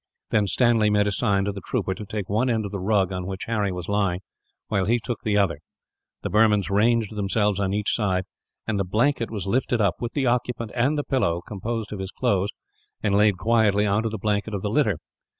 Then Stanley made a sign, to the trooper, to take one end of the rug on which Harry was lying; while he took the other. The Burmans ranged themselves on each side; and the blanket was lifted up, with the occupant and the pillow composed of his clothes, and laid quietly on to the blanket of the litter.